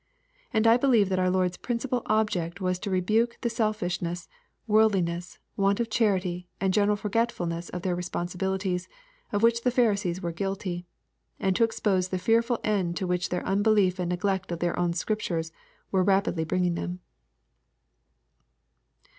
And I believe that our Lord's principal object was to rebuke the selfishness, worldliness, want of charity, and general forgetfulness of their responsibilities, of which the Phari sees were guilty, and to expose the fearful end to which their un belief and neglect of their own Scriptures were rapidly bringing them.